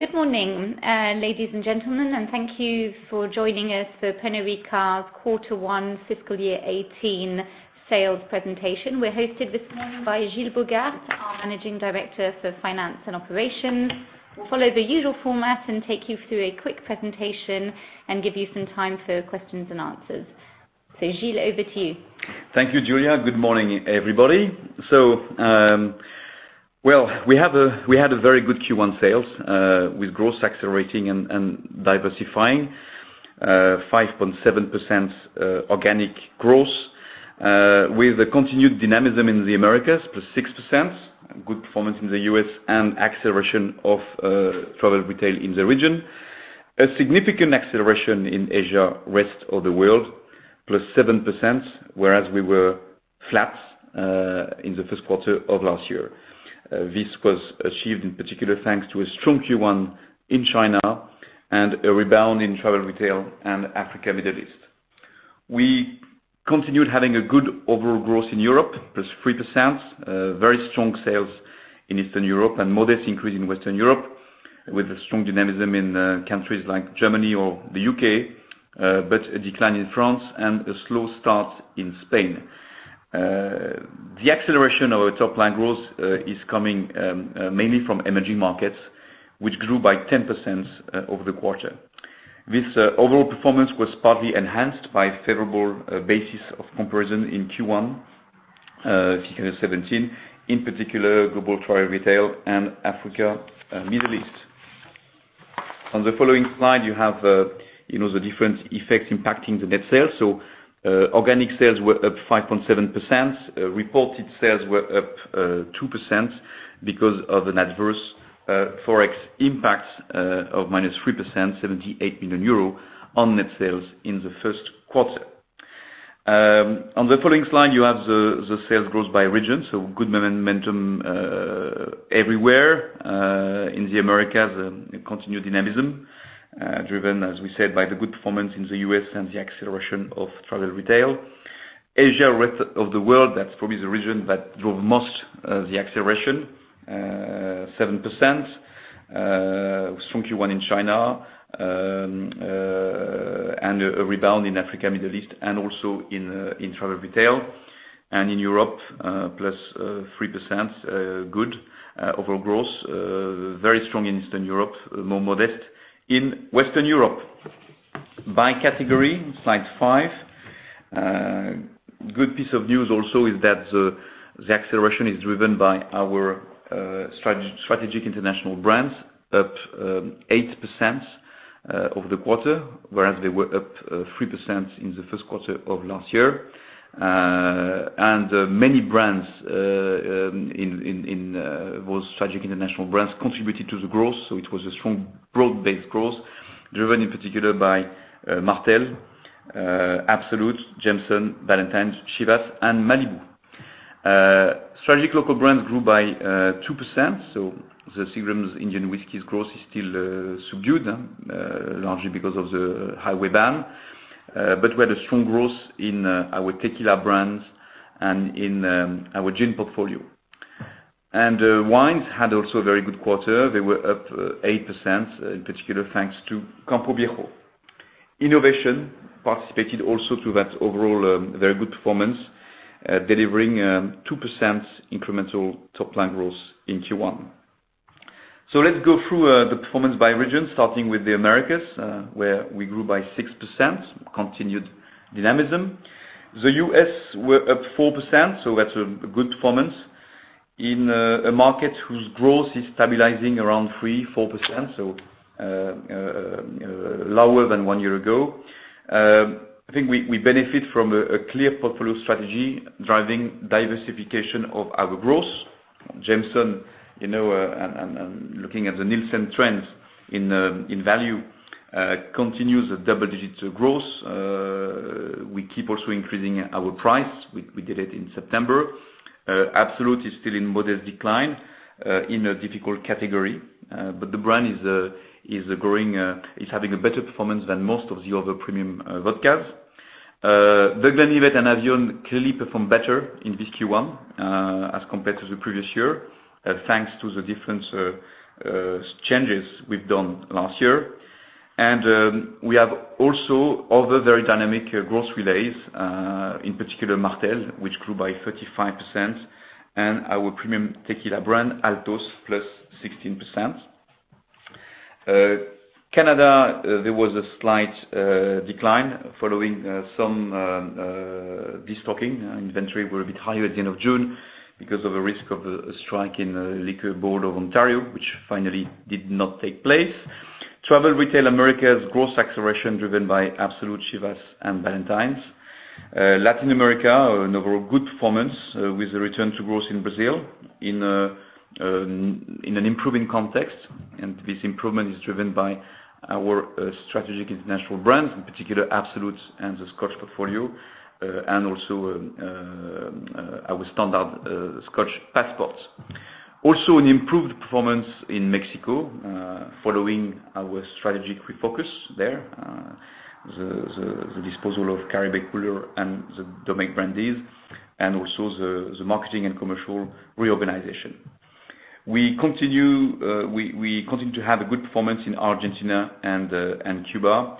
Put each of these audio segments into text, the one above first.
Good morning, ladies and gentlemen, and thank you for joining us for Pernod Ricard's Q1 Fiscal Year 2018 sales presentation. We're hosted this morning by Gilles Bogaert, our Managing Director for Finance and Operations. We'll follow the usual format and take you through a quick presentation and give you some time for questions and answers. Gilles, over to you. Thank you, Julia. Good morning, everybody. We had a very good Q1 sales with growth accelerating and diversifying. 5.7% organic growth with a continued dynamism in the Americas, +6%. Good performance in the U.S. and acceleration of travel retail in the region. A significant acceleration in Asia, rest of the world, +7%, whereas we were flat in the first quarter of last year. This was achieved in particular thanks to a strong Q1 in China and a rebound in travel retail and Africa, Middle East. We continued having a good overall growth in Europe, +3%. Very strong sales in Eastern Europe and modest increase in Western Europe with a strong dynamism in countries like Germany or the U.K., but a decline in France and a slow start in Spain. The acceleration of our top line growth is coming mainly from emerging markets, which grew by 10% over the quarter. This overall performance was partly enhanced by favorable basis of comparison in Q1 Fiscal Year 2017, in particular global travel retail and Africa, Middle East. On the following slide, you have the different effects impacting the net sales. Organic sales were up 5.7%. Reported sales were up 2% because of an adverse ForEx impact of -3%, 78 million euro on net sales in the first quarter. On the following slide, you have the sales growth by region. Good momentum everywhere. In the Americas, a continued dynamism, driven, as we said, by the good performance in the U.S. and the acceleration of travel retail. Asia, rest of the world, that's probably the region that drove most of the acceleration, 7%. Strong Q1 in China, and a rebound in Africa, Middle East, and also in travel retail. In Europe, +3%, good overall growth. Very strong in Eastern Europe, more modest in Western Europe. By category, slide five. Good piece of news also is that the acceleration is driven by our strategic international brands, +8% over the quarter, whereas they were up +3% in the first quarter of last year. Many brands in those strategic international brands contributed to the growth. It was a strong, broad-based growth driven in particular by Martell, Absolut, Jameson, Ballantine's, Chivas and Malibu. Strategic local brands grew by 2%, the Seagram's Indian whisky's growth is still subdued, largely because of the highway ban. We had a strong growth in our tequila brands and in our gin portfolio. Wines had also a very good quarter. They were up 8% in particular, thanks to Campo Viejo. Innovation participated also to that overall very good performance, delivering 2% incremental top line growth in Q1. Let's go through the performance by region, starting with the Americas, where we grew by 6%, continued dynamism. The U.S. were up 4%, that's a good performance in a market whose growth is stabilizing around 3, 4%, lower than one year ago. I think we benefit from a clear portfolio strategy driving diversification of our growth. Jameson, and looking at the Nielsen trends in value, continues a double-digit growth. We keep also increasing our price. We did it in September. Absolut is still in modest decline in a difficult category. The brand is having a better performance than most of the other premium vodkas. Buchanan's and Avión clearly perform better in this Q1 as compared to the previous year, thanks to the different changes we've done last year. We have also other very dynamic growth relays, in particular Martell, which grew by 35%, and our premium tequila brand, Altos, plus 16%. Canada, there was a slight decline following some de-stocking. Inventory were a bit higher at the end of June because of the risk of a strike in the Liquor Control Board of Ontario, which finally did not take place. Travel retail Americas growth acceleration driven by Absolut, Chivas and Ballantine's. Latin America, an overall good performance with a return to growth in Brazil in an improving context. This improvement is driven by our strategic international brands, in particular Absolut and the Scotch portfolio. Also our standard Scotch Passports. Also an improved performance in Mexico following our strategic refocus there. The disposal of Caribe Cooler and the Domecq brandies, and also the marketing and commercial reorganization. We continue to have a good performance in Argentina and Cuba.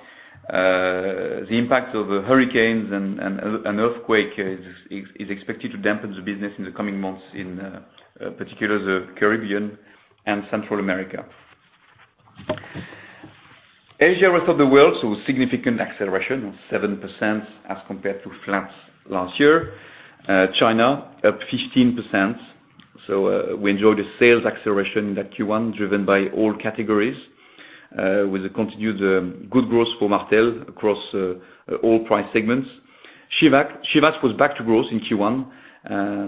The impact of hurricanes and an earthquake is expected to dampen the business in the coming months, in particular the Caribbean and Central America. Asia rest of the world, significant acceleration of 7% as compared to flats last year. China up 15%. We enjoyed a sales acceleration in that Q1 driven by all categories, with a continued good growth for Martell across all price segments. Chivas was back to growth in Q1.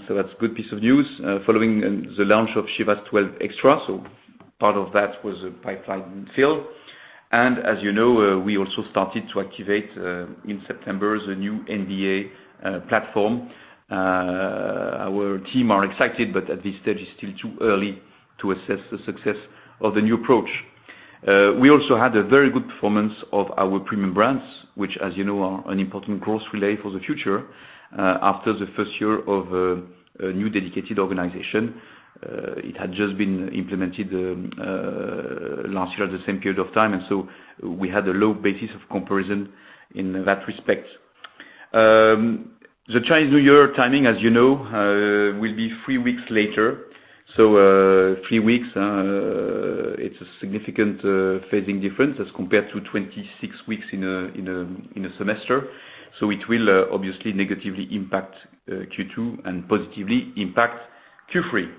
That's a good piece of news following the launch of Chivas 12 Extra. Part of that was a pipeline fill. As you know, we also started to activate, in September, the new NBA platform. Our team are excited, at this stage, it's still too early to assess the success of the new approach. We also had a very good performance of our premium brands, which as you know, are an important growth relay for the future, after the first year of a new dedicated organization. It had just been implemented last year at the same period of time, we had a low basis of comparison in that respect. The Chinese New Year timing, as you know, will be three weeks later. Three weeks, it's a significant phasing difference as compared to 26 weeks in a semester. It will obviously negatively impact Q2 and positively impact Q3.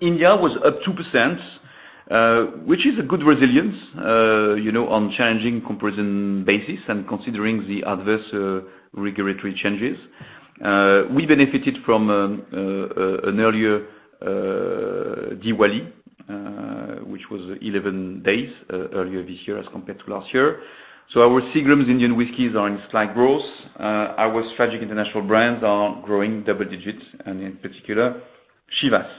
India was up 2%, which is a good resilience on challenging comparison basis and considering the adverse regulatory changes. We benefited from an earlier Diwali, which was 11 days earlier this year as compared to last year. Our Seagram's Indian whiskies are in slight growth. Our strategic international brands are growing double digits and in particular, Chivas.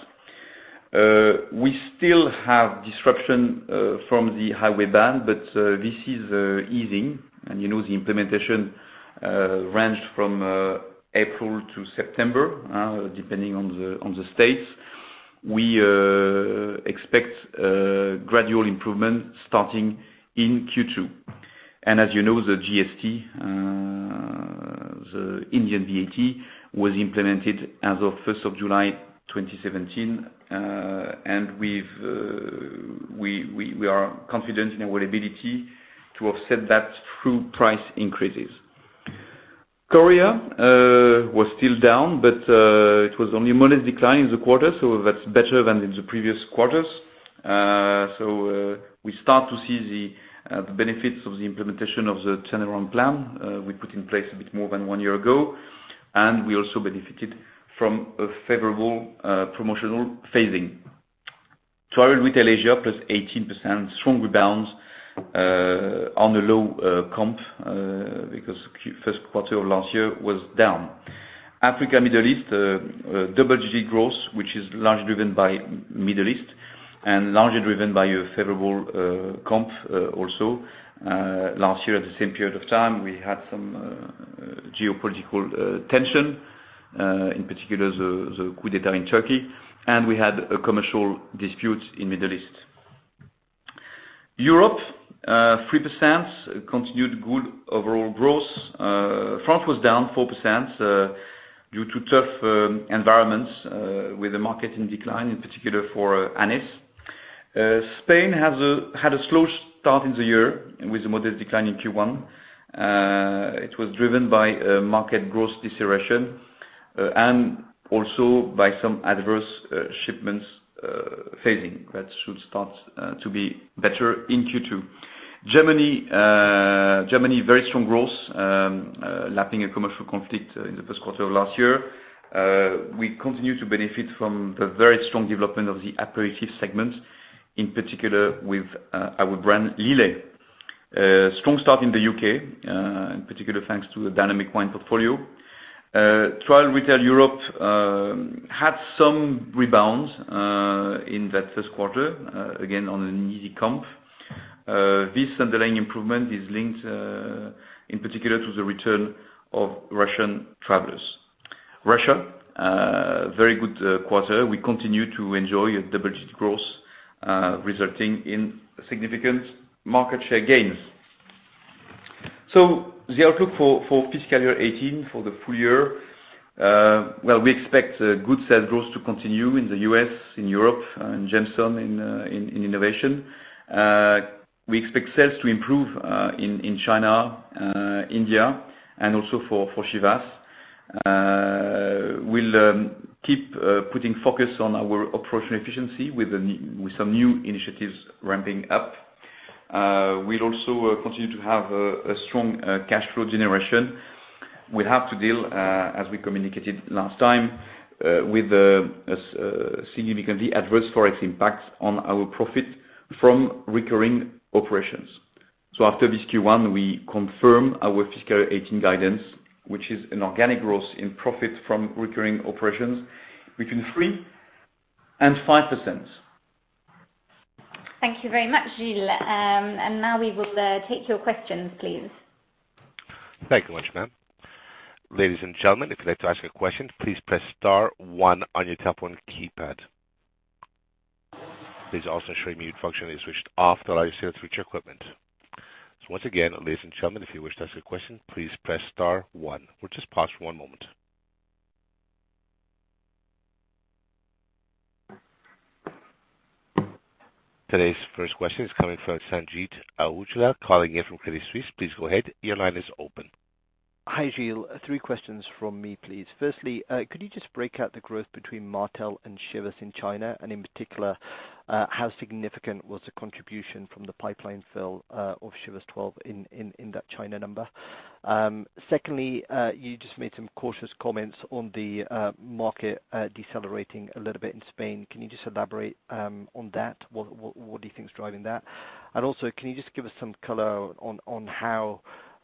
We still have disruption from the highway ban, but this is easing. The implementation ranged from April to September, depending on the states. We expect gradual improvement starting in Q2. As you know, the GST, the Indian VAT, was implemented as of 1st of July 2017. We are confident in our ability to offset that through price increases. Korea was still down, but it was only a modest decline in the quarter, that's better than in the previous quarters. We start to see the benefits of the implementation of the turn-around plan we put in place a bit more than one year ago. We also benefited from a favorable promotional phasing. Travel Retail Asia, +18%, strong rebound on a low comp, because first quarter of last year was down. Africa, Middle East, double-digit growth, which is largely driven by Middle East and largely driven by a favorable comp also. Last year at the same period of time, we had some geopolitical tension, in particular the coup d'état in Turkey, and we had a commercial dispute in Middle East. Europe, 3% continued good overall growth. France was down -4% due to tough environments with the market in decline, in particular for anise. Spain had a slow start in the year with a modest decline in Q1. It was driven by a market growth deceleration and also by some adverse shipments phasing that should start to be better in Q2. Germany, very strong growth, lapping a commercial conflict in the first quarter of last year. We continue to benefit from the very strong development of the aperitif segment, in particular with our brand Lillet. Strong start in the U.K., in particular, thanks to a dynamic wine portfolio. Travel Retail Europe had some rebounds in that first quarter, again, on an easy comp. This underlying improvement is linked, in particular to the return of Russian travelers. Russia, very good quarter. We continue to enjoy a double-digit growth, resulting in significant market share gains. The outlook for fiscal year 2018 for the full year. Well, we expect good sales growth to continue in the U.S., in Europe, and GEM in innovation. We expect sales to improve in China, India, and also for Chivas. We'll keep putting focus on our operational efficiency with some new initiatives ramping up. We'll also continue to have a strong cash flow generation. We'll have to deal, as we communicated last time, with a significantly adverse ForEx impact on our Profit from Recurring Operations. After this Q1, we confirm our fiscal 2018 guidance, which is an organic growth in Profit from Recurring Operations between 3% and 5%. Thank you very much, Gilles. Now we will take your questions, please. Thank you very much, ma'am. Ladies and gentlemen, if you'd like to ask a question, please press star one on your telephone keypad. Please also ensure your mute function is switched off to allow us to hear through your equipment. Once again, ladies and gentlemen, if you wish to ask a question, please press star one. We'll just pause for one moment. Today's first question is coming from Sanjeet Aujla, calling in from Credit Suisse. Please go ahead. Your line is open. Hi, Gilles. Three questions from me, please. Firstly, could you just break out the growth between Martell and Chivas in China? In particular, how significant was the contribution from the pipeline fill of Chivas 12 in that China number? Secondly, you just made some cautious comments on the market decelerating a little bit in Spain. Can you just elaborate on that? What do you think is driving that? Also, can you just give us some color on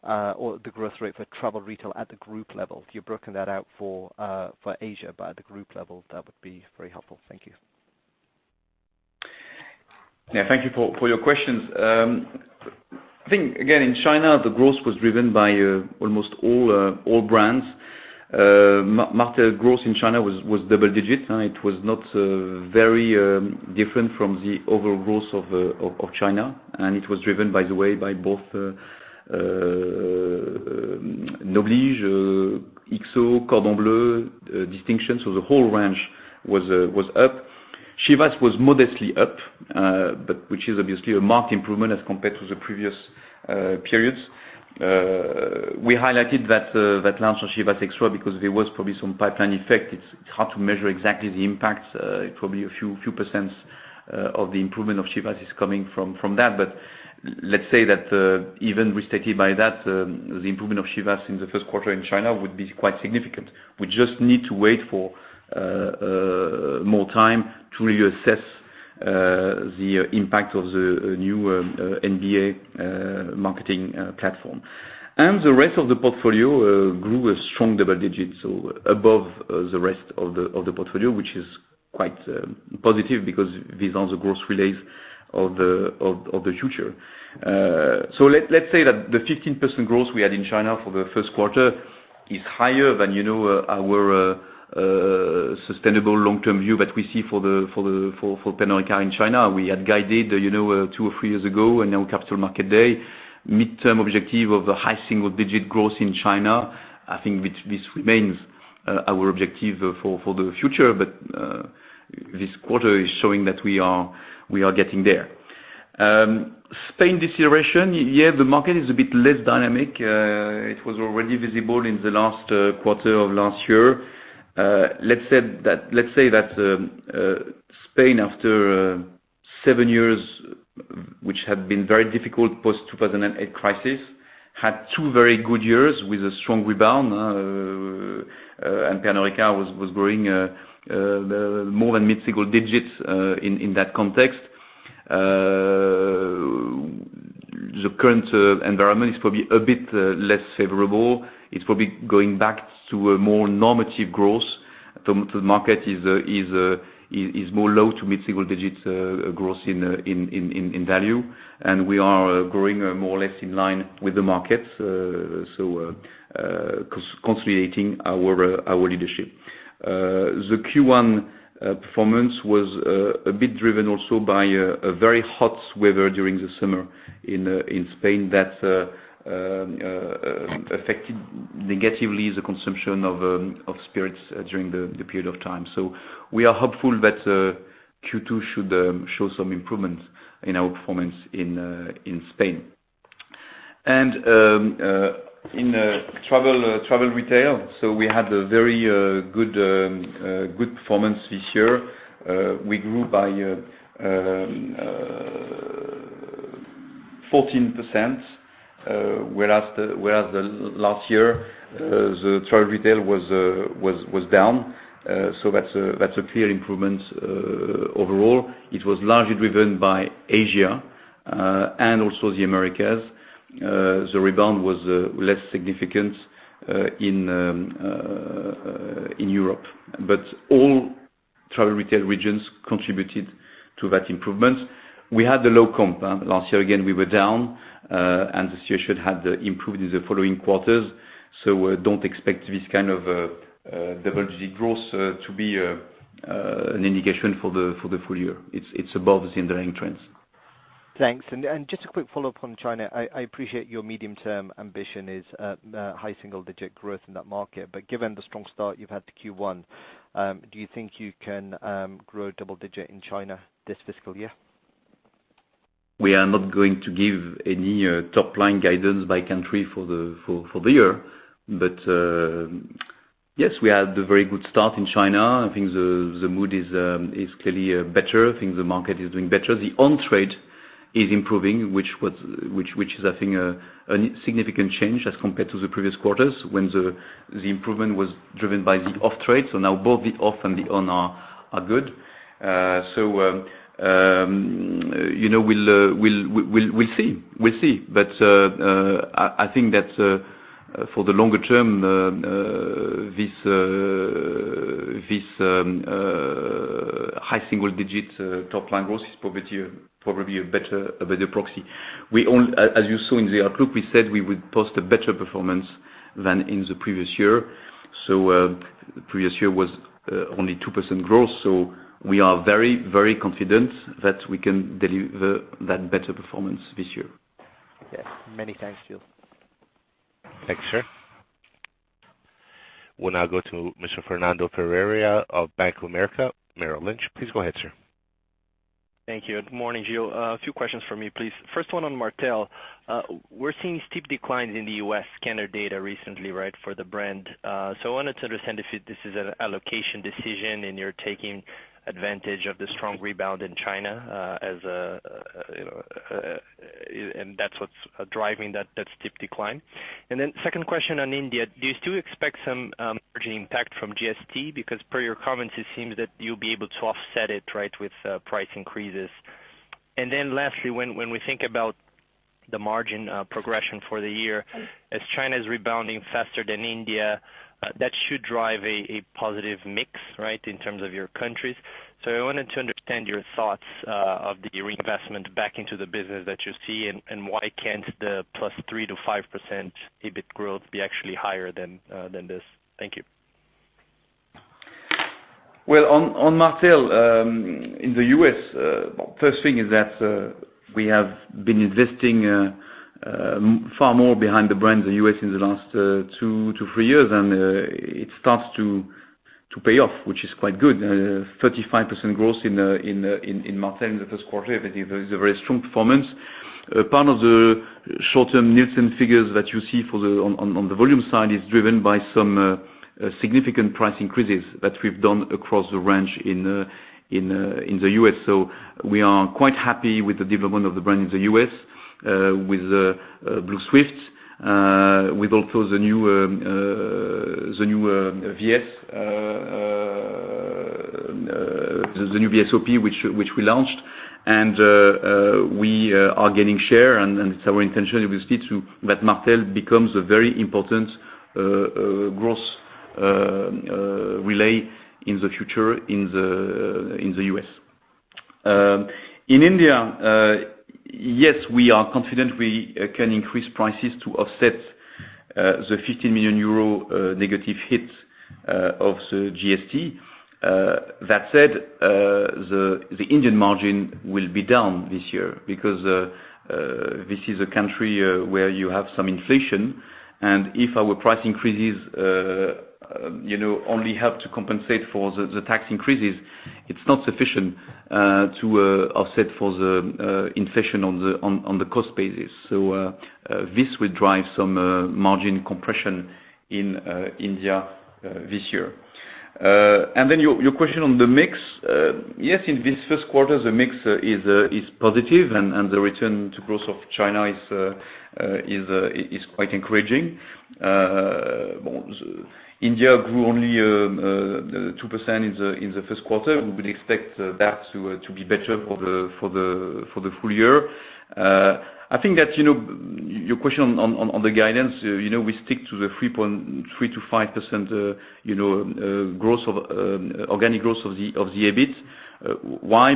the growth rate for travel retail at the group level? You've broken that out for Asia by the group level. That would be very helpful. Thank you. Thank you for your questions. I think, again, in China, the growth was driven by almost all brands. Martell growth in China was double digit. It was not very different from the overall growth of China. It was driven, by the way, by both Noblige, XO, Cordon Bleu, Distinction. The whole range was up. Chivas was modestly up, which is obviously a marked improvement as compared to the previous periods. We highlighted that launch of Chivas Extra because there was probably some pipeline effect. It's hard to measure exactly the impact. It probably a few percents of the improvement of Chivas is coming from that. Let's say that, even restated by that, the improvement of Chivas in the first quarter in China would be quite significant. We just need to wait for more time to really assess the impact of the new NBA marketing platform. The rest of the portfolio grew a strong double digits or above the rest of the portfolio, which is quite positive because these are the growth relays of the future. Let's say that the 15% growth we had in China for the first quarter is higher than our sustainable long-term view that we see for Pernod Ricard in China. We had guided two or three years ago, and now Capital Markets Day, midterm objective of a high single-digit growth in China. I think this remains our objective for the future. This quarter is showing that we are getting there. Spain deceleration. Yeah, the market is a bit less dynamic. It was already visible in the last quarter of last year. Let's say that Spain, after seven years, which had been very difficult post-2008 crisis, had two very good years with a strong rebound. Pernod Ricard was growing more than mid-single digits, in that context. The current environment is probably a bit less favorable. It's probably going back to a more normative growth. The market is more low to mid-single digits growth in value, and we are growing more or less in line with the market. Consolidating our leadership. The Q1 performance was a bit driven also by a very hot weather during the summer in Spain. That affected negatively the consumption of spirits during the period of time. We are hopeful that Q2 should show some improvement in our performance in Spain. In travel retail, we had a very good performance this year. We grew by 14%, whereas last year, the travel retail was down. That's a clear improvement overall. It was largely driven by Asia and also the Americas. The rebound was less significant in Europe, all travel retail regions contributed to that improvement. We had the low comp last year. Again, we were down, and the situation had improved in the following quarters. Don't expect this kind of double-digit growth to be an indication for the full year. It's above the underlying trends. Thanks. Just a quick follow-up on China. I appreciate your medium-term ambition is high single-digit growth in that market. Given the strong start you've had to Q1, do you think you can grow double digit in China this fiscal year? We are not going to give any top-line guidance by country for the year. Yes, we had a very good start in China. I think the mood is clearly better. I think the market is doing better. The on-trade is improving, which is I think a significant change as compared to the previous quarters when the improvement was driven by the off-trade. Now both the off and the on are good. We'll see. I think that for the longer term, this high single-digit top-line growth is probably a better proxy. As you saw in the outlook, we said we would post a better performance than in the previous year. The previous year was only 2% growth, we are very confident that we can deliver that better performance this year. Yes. Many thanks, Gilles. Thanks, sir. We'll now go to Mr. Fernando Ferreira of Bank of America, Merrill Lynch. Please go ahead, sir. Thank you. Good morning, Gilles. A few questions from me, please. First one on Martell. We're seeing steep declines in the U.S. scanner data recently, right, for the brand. I wanted to understand if this is an allocation decision, and you're taking advantage of the strong rebound in China, and that's what's driving that steep decline. Second question on India. Do you still expect some margin impact from GST? Because per your comments, it seems that you'll be able to offset it, right, with price increases. Lastly, when we think about the margin progression for the year, as China's rebounding faster than India, that should drive a positive mix, right, in terms of your countries. I wanted to understand your thoughts of the reinvestment back into the business that you see and, why can't the 3%-5% EBIT growth be actually higher than this. Thank you. Well, on Martell, in the U.S., first thing is that we have been investing far more behind the brand in the U.S. in the last two to three years, it starts to pay off, which is quite good. 35% growth in Martell in the first quarter is a very strong performance. Part of the short-term Nielsen figures that you see on the volume side is driven by some significant price increases that we've done across the range in the U.S. We are quite happy with the development of the brand in the U.S. with Blue Swift. With also the new VSOP which we launched. We are gaining share, it's our intention, obviously, that Martell becomes a very important growth relay in the future in the U.S. In India, yes, we are confident we can increase prices to offset the 15 million euro negative hit of the GST. That said, the Indian margin will be down this year because this is a country where you have some inflation, if our price increases only help to compensate for the tax increases, it's not sufficient to offset for the inflation on the cost basis. This will drive some margin compression in India this year. Your question on the mix. Yes, in this first quarter, the mix is positive, the return to growth of China is quite encouraging. India grew only 2% in the first quarter. We would expect that to be better for the full year. I think that your question on the guidance, we stick to the 3%-5% organic growth of the EBIT. Why?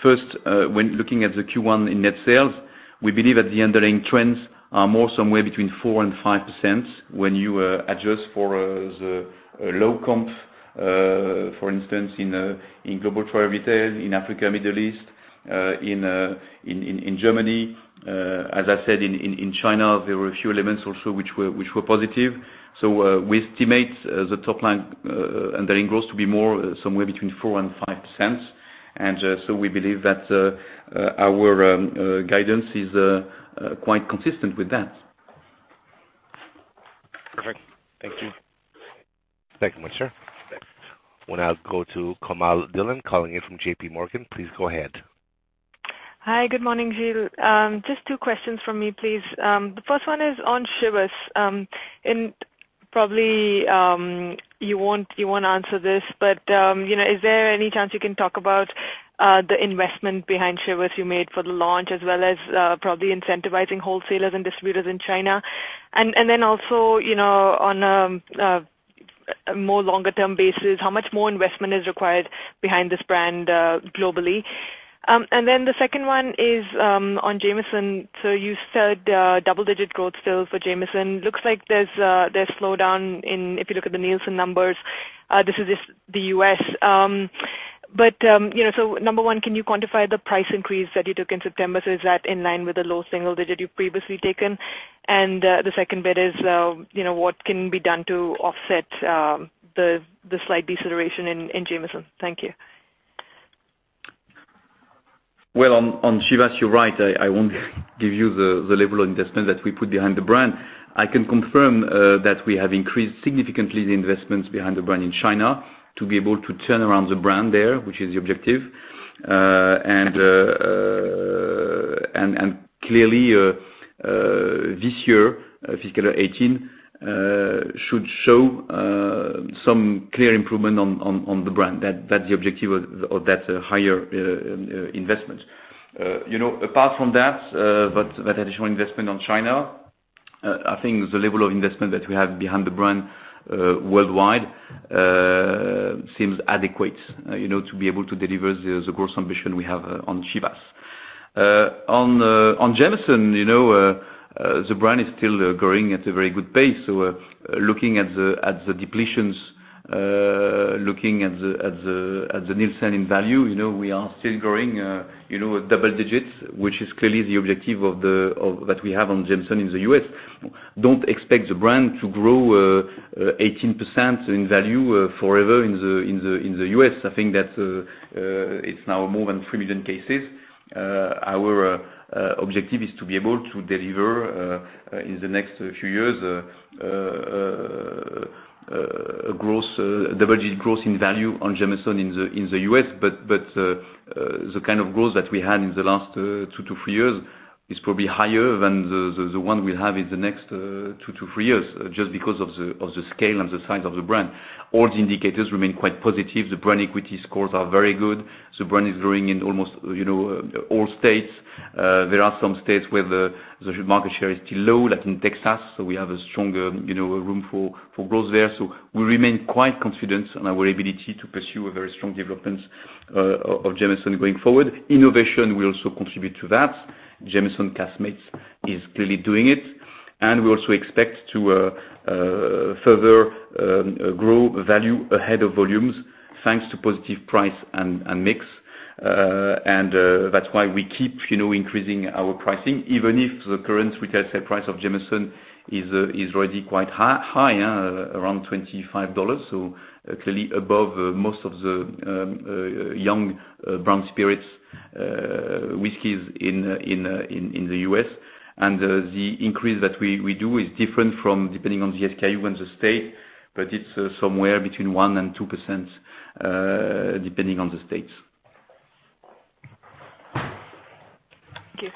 First, when looking at the Q1 in net sales, we believe that the underlying trends are more somewhere between 4% and 5% when you adjust for the low comp, for instance, in global travel retail, in Africa, Middle East, in Germany. As I said, in China, there were a few elements also which were positive. We estimate the top line underlying growth to be more somewhere between 4% and 5%. We believe that our guidance is quite consistent with that. Perfect. Thank you. Thank you much, sir. Thanks. We'll now go to Celine Pannuti calling in from JPMorgan. Please go ahead. Hi, good morning, Gilles. Just two questions from me, please. The first one is on Chivas. Probably, you won't answer this, but is there any chance you can talk about the investment behind Chivas you made for the launch, as well as probably incentivizing wholesalers and distributors in China? Then also, on a more longer-term basis, how much more investment is required behind this brand globally? The second one is on Jameson. You said double-digit growth still for Jameson. Looks like there's a slowdown if you look at the Nielsen numbers. This is just the U.S. Number one, can you quantify the price increase that you took in September? Is that in line with the low single-digit you've previously taken? The second bit is, what can be done to offset the slight deceleration in Jameson? Thank you. On Chivas, you're right. I won't give you the level of investment that we put behind the brand. I can confirm that we have increased significantly the investments behind the brand in China to be able to turn around the brand there, which is the objective. Clearly, this year, fiscal 2018, should show some clear improvement on the brand. That's the objective of that higher investment. Apart from that additional investment on China I think the level of investment that we have behind the brand worldwide seems adequate to be able to deliver the growth ambition we have on Chivas. On Jameson, the brand is still growing at a very good pace. Looking at the depletions, looking at the Nielsen in value, we are still growing double-digits, which is clearly the objective that we have on Jameson in the U.S. Don't expect the brand to grow 18% in value forever in the U.S. I think that it's now more than 3 million cases. Our objective is to be able to deliver in the next few years double-digit growth in value on Jameson in the U.S. The kind of growth that we had in the last two to three years is probably higher than the one we'll have in the next two to three years, just because of the scale and the size of the brand. All the indicators remain quite positive. The brand equity scores are very good. The brand is growing in almost all states. There are some states where the market share is still low, like in Texas, we have a stronger room for growth there. We remain quite confident on our ability to pursue a very strong development of Jameson going forward. Innovation will also contribute to that. Jameson Caskmates is clearly doing it. We also expect to further grow value ahead of volumes, thanks to positive price and mix. That's why we keep increasing our pricing, even if the current retail sale price of Jameson is already quite high, around $25. Clearly above most of the young brown spirits whiskeys in the U.S. The increase that we do is different depending on the SKU and the state, but it's somewhere between 1%-2% depending on the states. Thank you.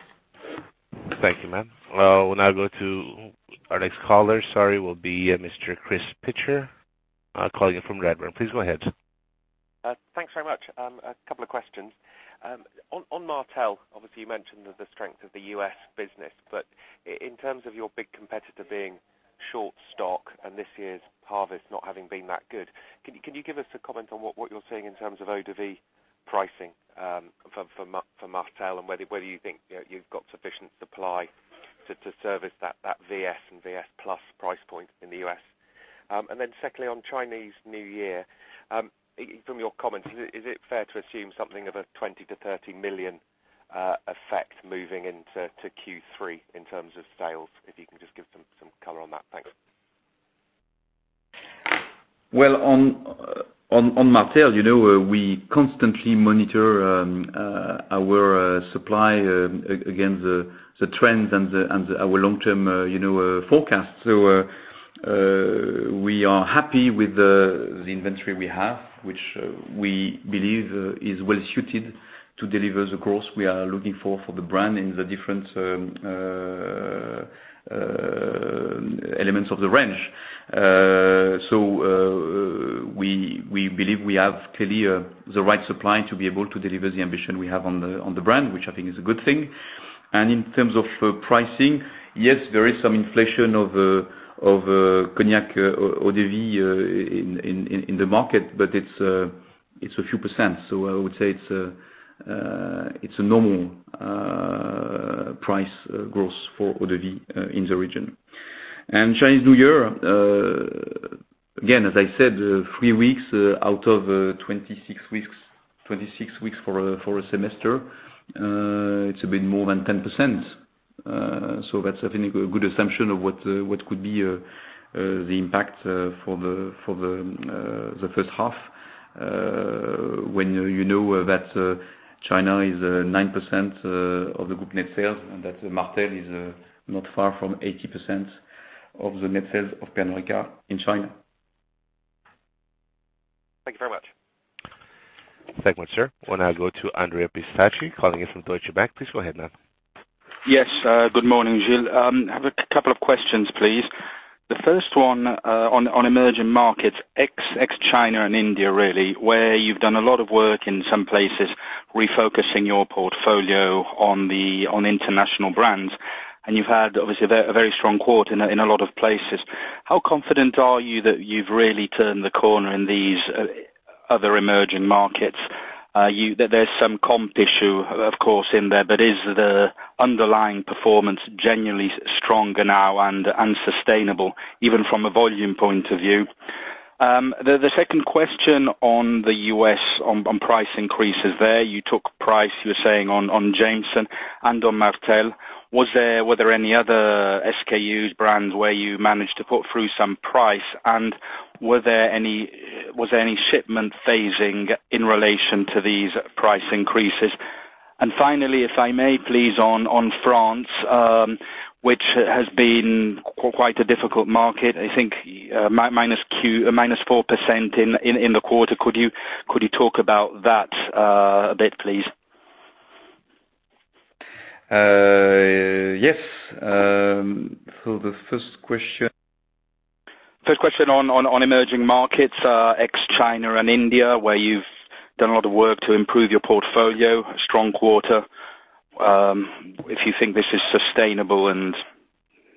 Thank you, ma'am. We'll now go to our next caller. Sorry. Will be Mr. Chris Pitcher calling in from Redburn. Please go ahead. Thanks very much. A couple of questions. On Martell, obviously you mentioned the strength of the U.S. business, but in terms of your big competitor being short stock and this year's harvest not having been that good, can you give us a comment on what you're seeing in terms of eau de vie pricing for Martell? Whether you think you've got sufficient supply to service that VS and VS Plus price point in the U.S. Secondly, on Chinese New Year, from your comments, is it fair to assume something of a 20 million-30 million effect moving into Q3 in terms of sales? If you can just give some color on that. Thanks. Well, on Martell, we constantly monitor our supply against the trends and our long-term forecast. We are happy with the inventory we have, which we believe is well suited to deliver the growth we are looking for the brand in the different elements of the range. We believe we have clearly the right supply to be able to deliver the ambition we have on the brand, which I think is a good thing. In terms of pricing, yes, there is some inflation of cognac eau de vie in the market. It's a few percent. I would say it's a normal price growth for eau de vie in the region. Chinese New Year, again, as I said, three weeks out of 26 weeks for a semester, it's a bit more than 10%. That's I think a good assumption of what could be the impact for the first half, when you know that China is 9% of the group net sales and that Martell is not far from 80% of the net sales of Pernod Ricard in China. Thank you very much. Thank you, sir. We'll now go to Andrea Pistacchi calling in from Deutsche Bank. Please go ahead now. Yes. Good morning, Gilles. I have a couple of questions, please. The first one on emerging markets, ex-China and India, really, where you've done a lot of work in some places refocusing your portfolio on international brands. You've had obviously a very strong quarter in a lot of places. How confident are you that you've really turned the corner in these other emerging markets? There's some comp issue, of course, in there, but is the underlying performance genuinely stronger now and sustainable, even from a volume point of view? The second question on the U.S., on price increases there. You took price, you were saying, on Jameson and on Martell. Were there any other SKUs, brands, where you managed to put through some price? Was there any shipment phasing in relation to these price increases? Finally, if I may please, on France, which has been quite a difficult market. I think minus 4% in the quarter. Could you talk about that a bit, please? Yes. For the first question First question on emerging markets, ex China and India, where you've done a lot of work to improve your portfolio. Strong quarter. If you think this is sustainable?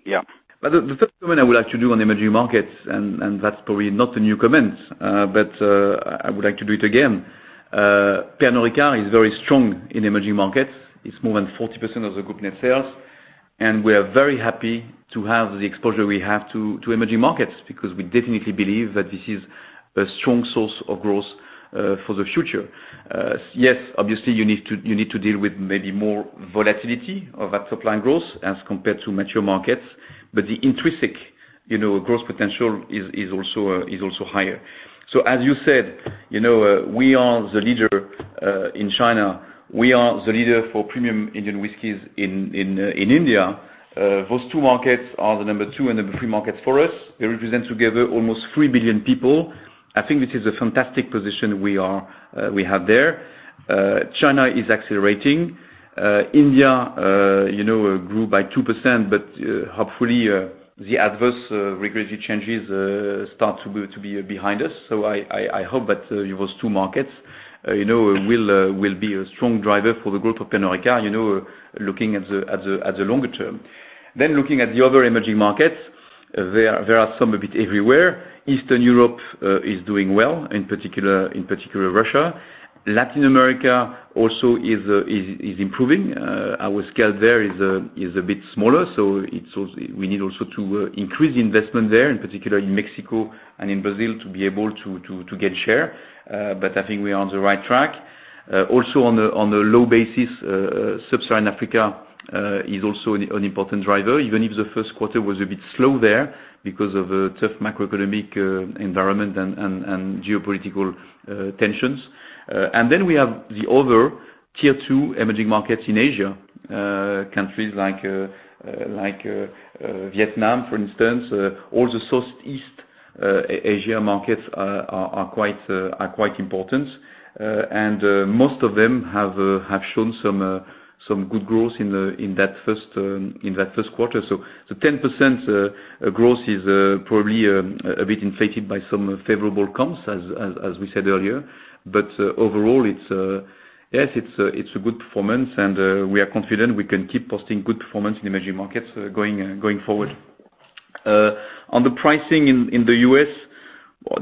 The first comment I would like to do on emerging markets, and that's probably not a new comment, but I would like to do it again. Pernod Ricard is very strong in emerging markets. It's more than 40% of the group net sales. We are very happy to have the exposure we have to emerging markets, because we definitely believe that this is a strong source of growth for the future. Yes, obviously you need to deal with maybe more volatility of that top line growth as compared to mature markets, but the intrinsic growth potential is also higher. As you said, we are the leader in China. We are the leader for premium Indian whiskeys in India. Those two markets are the number 2 and number 3 markets for us. They represent together almost 3 billion people. I think this is a fantastic position we have there. China is accelerating. India grew by 2%, but hopefully, the adverse regulatory changes start to be behind us. I hope that those two markets will be a strong driver for the growth of Pernod Ricard, looking at the longer term. Looking at the other emerging markets, there are some a bit everywhere. Eastern Europe is doing well, in particular Russia. Latin America also is improving. Our scale there is a bit smaller. We need also to increase the investment there, in particular in Mexico and in Brazil, to be able to get share. I think we are on the right track. Also on the low basis, sub-Saharan Africa is also an important driver, even if the first quarter was a bit slow there because of a tough macroeconomic environment and geopolitical tensions. We have the other tier 2 emerging markets in Asia. Countries like Vietnam, for instance. All the Southeast Asia markets are quite important. Most of them have shown some good growth in that first quarter. 10% growth is probably a bit inflated by some favorable comps as we said earlier. Overall, yes, it's a good performance and we are confident we can keep posting good performance in emerging markets going forward. On the pricing in the U.S.,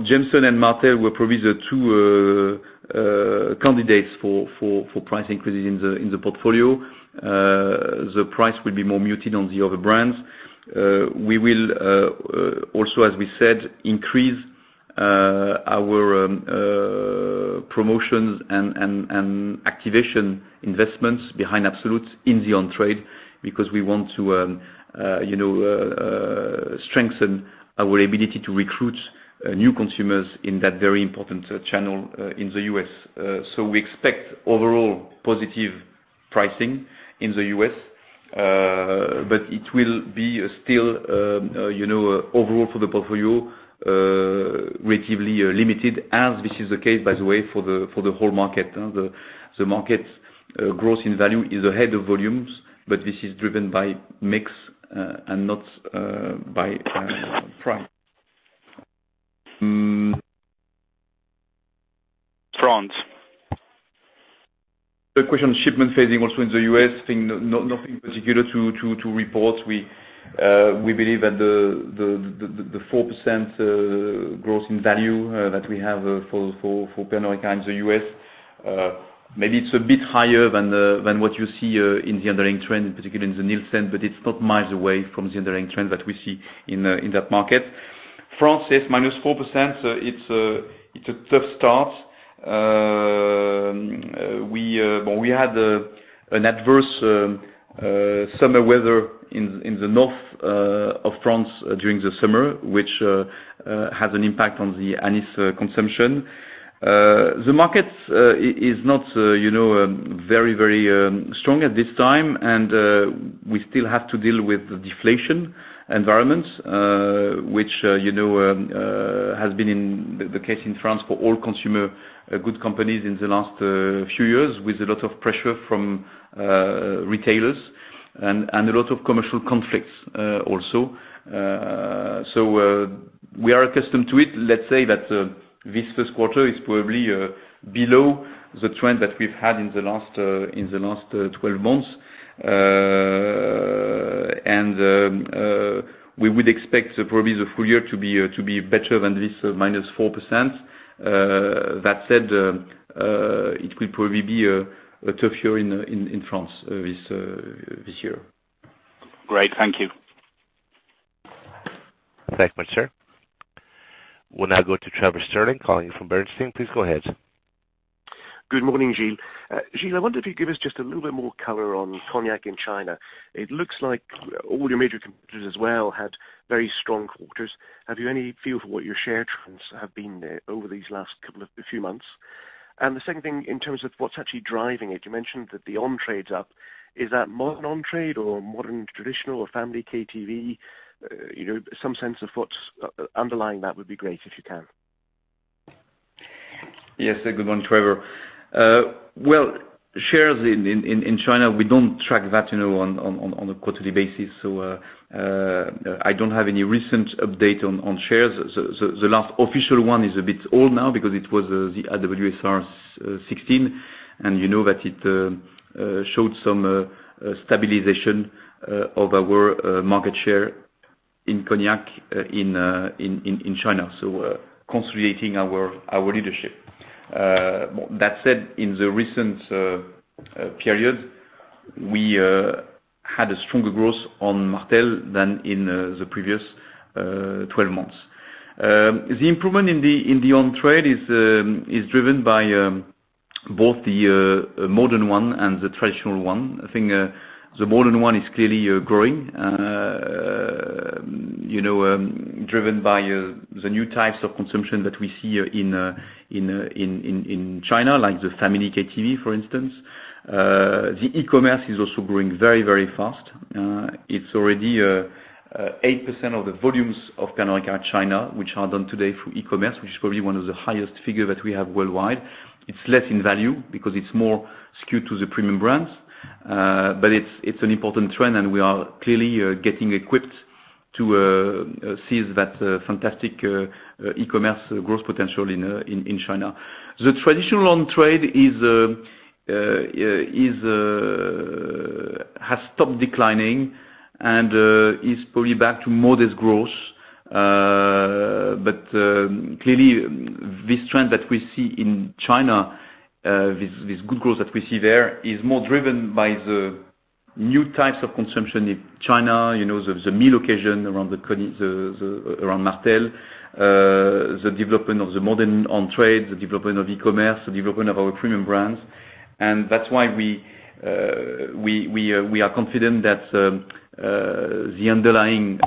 Jameson and Martell were probably the two candidates for price increases in the portfolio. The price will be more muted on the other brands. We will also, as we said, increase our promotions and activation investments behind Absolut in the on-trade because we want to strengthen our ability to recruit new consumers in that very important channel in the U.S. We expect overall positive pricing in the U.S. It will be still, overall for the portfolio, relatively limited as this is the case, by the way, for the whole market. The market growth in value is ahead of volumes, this is driven by mix and not by price. France. The question shipment phasing also in the U.S., I think nothing particular to report. We believe that the 4% growth in value that we have for Pernod Ricard in the U.S., maybe it's a bit higher than what you see in the underlying trend, particularly in the Nielsen, it's not miles away from the underlying trend that we see in that market. France is -4%, it's a tough start. We had an adverse summer weather in the north of France during the summer, which has an impact on the anise consumption. The market is not very strong at this time. We still have to deal with deflation environments, which has been the case in France for all consumer goods companies in the last few years, with a lot of pressure from retailers and a lot of commercial conflicts also. We are accustomed to it. Let's say that this first quarter is probably below the trend that we've had in the last 12 months. We would expect probably the full year to be better than this -4%. That said, it will probably be a tough year in France this year. Great. Thank you. Thanks much, sir. We'll now go to Trevor Stirling calling in from Bernstein. Please go ahead. Good morning, Gilles. Gilles, I wonder if you'd give us just a little bit more color on cognac in China. It looks like all your major competitors as well had very strong quarters. Have you any feel for what your share trends have been there over these last few months? The second thing, in terms of what's actually driving it, you mentioned that the on-trade's up. Is that modern on-trade or modern traditional or family KTV? Some sense of what's underlying that would be great, if you can. Yes. Good morning, Trevor. Well, shares in China, we don't track that on a quarterly basis. I don't have any recent update on shares. The last official one is a bit old now because it was the IWSR 2016, you know that it showed some stabilization of our market share in cognac in China. Consolidating our leadership. That said, in the recent period, we had a stronger growth on Martell than in the previous 12 months. The improvement in the on-trade is driven by both the modern one and the traditional one. I think the modern one is clearly growing, driven by the new types of consumption that we see in China, like the family KTV, for instance. The e-commerce is also growing very fast. It's already 8% of the volumes of Pernod Ricard China, which are done today through e-commerce, which is probably one of the highest figure that we have worldwide. It's less in value because it's more skewed to the premium brands. It's an important trend, and we are clearly getting equipped to seize that fantastic e-commerce growth potential in China. The traditional on-trade has stopped declining and is probably back to modest growth. Clearly, this trend that we see in China, this good growth that we see there is more driven by the new types of consumption in China. There's a meal occasion around Martell. The development of the modern on-trade, the development of e-commerce, the development of our premium brands. That's why we are confident that the underlying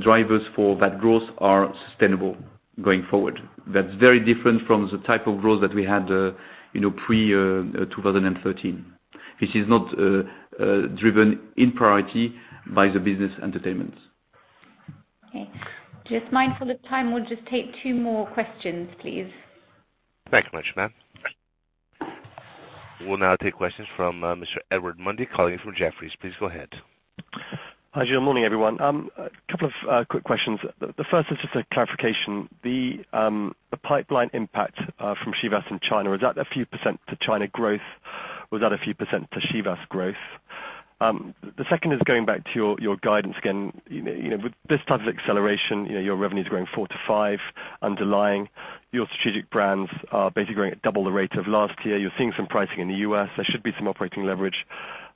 drivers for that growth are sustainable going forward. That's very different from the type of growth that we had pre-2013. This is not driven in priority by the business entertainment. Okay. Just mindful of time. We'll just take two more questions, please. Thank you very much, ma'am. We'll now take questions from Mr. Edward Mundy calling in from Jefferies. Please go ahead. Hi, Gilles. Morning, everyone. Couple of quick questions. The first is just a clarification. The pipeline impact from Chivas in China, is that a few % to China growth? Was that a few % to Chivas growth? The second is going back to your guidance again. With this type of acceleration, your revenue's growing 4% to 5% underlying. Your strategic brands are basically growing at double the rate of last year. You're seeing some pricing in the U.S. There should be some operating leverage.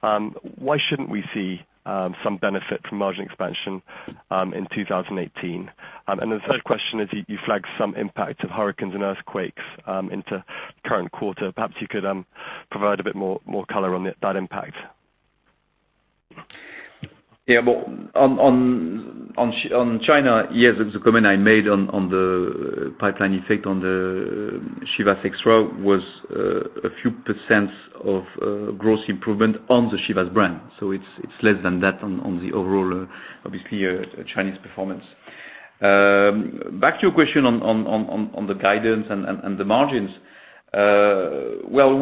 Why shouldn't we see some benefit from margin expansion in 2018? The third question is, you flagged some impact of hurricanes and earthquakes into current quarter. Perhaps you could provide a bit more color on that impact. Yeah. Well, on China, yes, the comment I made on the pipeline effect on the Chivas Extra was a few % of growth improvement on the Chivas brand. It's less than that on the overall, obviously, Chinese performance. Back to your question on the guidance and the margins. Well,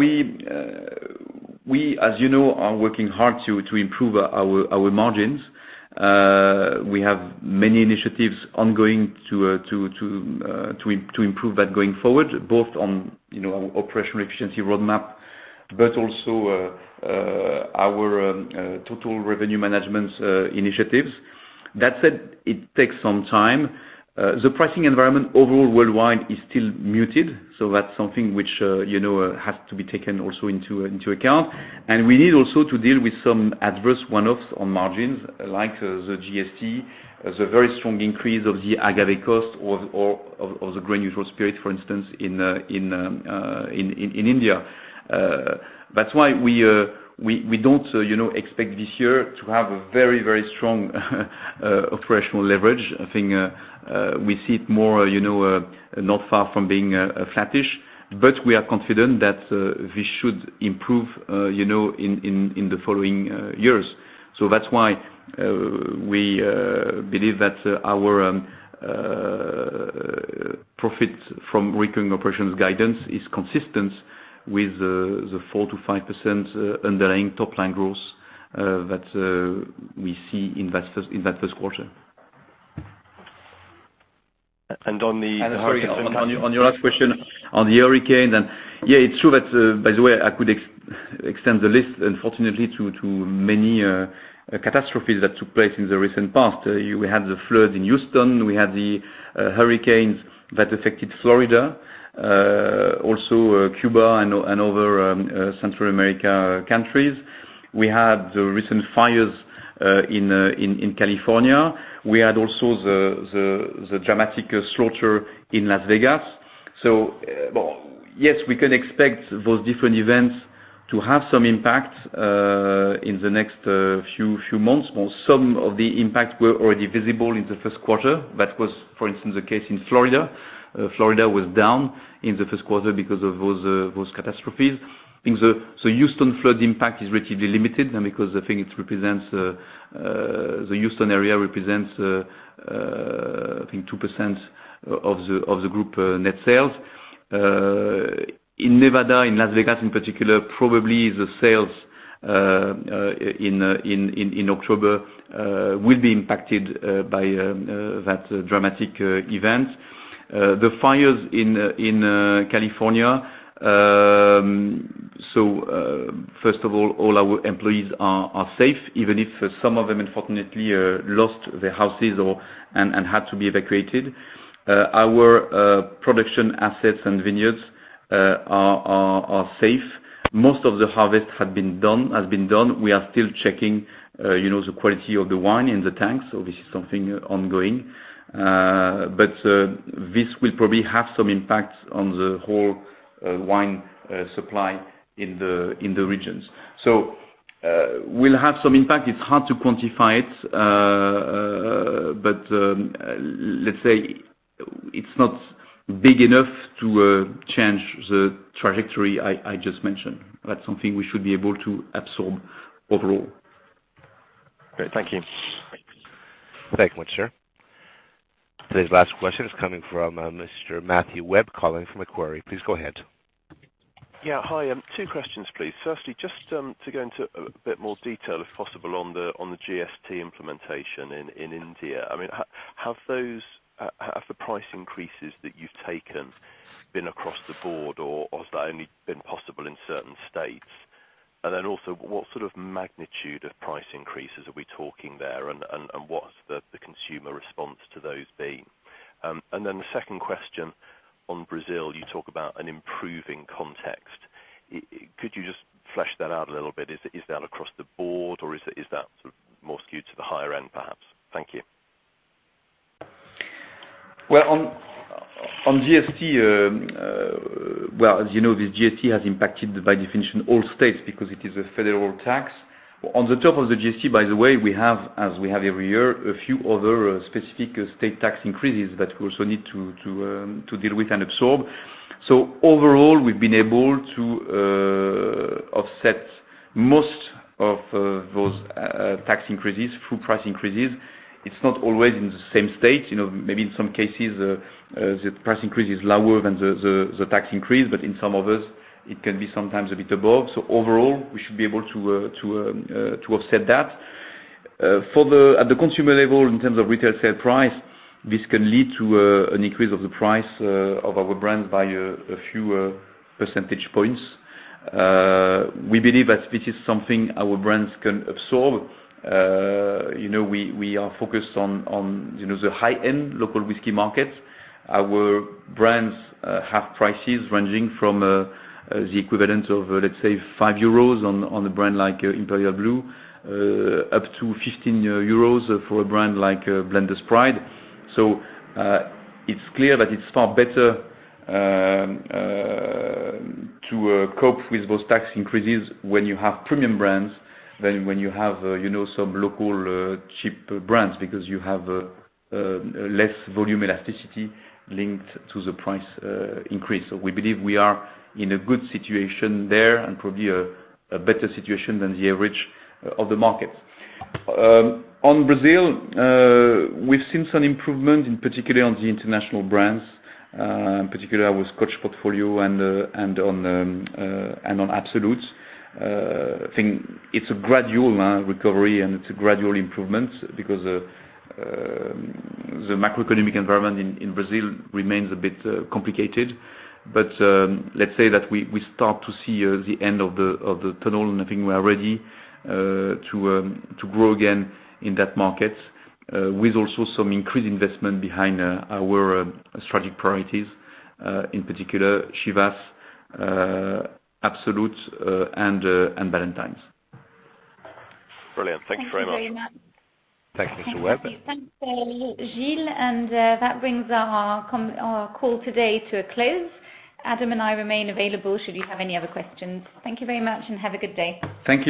we, as you know, are working hard to improve our margins. We have many initiatives ongoing to improve that going forward, both on our operational efficiency roadmap, but also our Total Revenue Management initiatives. That said, it takes some time. The pricing environment overall worldwide is still muted. That's something which has to be taken also into account. We need also to deal with some adverse one-offs on margins, like the GST, the very strong increase of the agave cost, or the grain neutral spirit, for instance, in India. That's why we don't expect this year to have a very strong operational leverage. I think we see it more not far from being flattish. We are confident that this should improve in the following years. That's why we believe that our Profit from Recurring Operations guidance is consistent with the 4% to 5% underlying top line growth that we see in that first quarter. And on the- Sorry, on your last question on the hurricane. Yes, it's true that, by the way, I could extend the list, unfortunately, to many catastrophes that took place in the recent past. We had the flood in Houston. We had the hurricanes that affected Florida. Also Cuba and other Central America countries. We had the recent fires in California. We had also the dramatic slaughter in Las Vegas. Yes, we can expect those different events to have some impact in the next few months. Some of the impact were already visible in the first quarter. That was, for instance, the case in Florida. Florida was down in the first quarter because of those catastrophes. Houston flood impact is relatively limited because the Houston area represents I think 2% of the group net sales. In Nevada, in Las Vegas in particular, probably the sales in October will be impacted by that dramatic event. The fires in California. First of all our employees are safe, even if some of them, unfortunately, lost their houses and had to be evacuated. Our production assets and vineyards are safe. Most of the harvest had been done. We are still checking the quality of the wine in the tank. This is something ongoing. This will probably have some impact on the whole wine supply in the regions. Will have some impact. It's hard to quantify it. Let's say it's not big enough to change the trajectory I just mentioned. That's something we should be able to absorb overall. Great. Thank you. Thank you much, sir. Today's last question is coming from Mr. Matthew Webb, calling from Aquari. Please go ahead. Yeah. Hi. Two questions, please. Firstly, just to go into a bit more detail, if possible, on the GST implementation in India. Have the price increases that you've taken been across the board, or has that only been possible in certain states? What sort of magnitude of price increases are we talking there? What's the consumer response to those been? The second question on Brazil, you talk about an improving context. Could you just flesh that out a little bit? Is that across the board or is that sort of more skewed to the higher end perhaps? Thank you. Well, on GST, as you know, the GST has impacted, by definition, all states because it is a federal tax. On the top of the GST, by the way, we have, as we have every year, a few other specific state tax increases that we also need to deal with and absorb. Overall, we've been able to offset most of those tax increases through price increases. It's not always in the same state. Maybe in some cases, the price increase is lower than the tax increase, in some others, it can be sometimes a bit above. Overall, we should be able to offset that. At the consumer level, in terms of retail sale price, this can lead to an increase of the price of our brands by a few percentage points. We believe that this is something our brands can absorb. We are focused on the high-end local whiskey market. Our brands have prices ranging from the equivalent of, let's say, five EUR on a brand like Imperial Blue, up to 15 euros for a brand like Blender's Pride. It's clear that it's far better to cope with those tax increases when you have premium brands than when you have some local cheap brands because you have less volume elasticity linked to the price increase. We believe we are in a good situation there and probably a better situation than the average of the market. On Brazil, we've seen some improvement, in particular on the international brands, in particular with Scotch portfolio and on Absolut. I think it's a gradual recovery and it's a gradual improvement because the macroeconomic environment in Brazil remains a bit complicated. Let's say that we start to see the end of the tunnel, I think we are ready to grow again in that market, with also some increased investment behind our strategic priorities, in particular Chivas, Absolut, and Ballantine's. Brilliant. Thank you very much. Thanks, Mr. Webb. Thank you. Thanks, Gilles. That brings our call today to a close. Adam and I remain available should you have any other questions. Thank you very much and have a good day. Thank you.